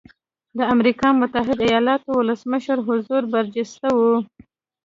د امریکا متحده ایالتونو ولسمشر حضور برجسته و.